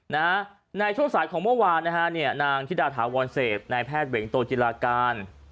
ในช่วงสายของเมื่อวานนางธิดาฐาวรเสพนายแพทย์เวงโตจิลาการ